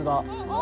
お！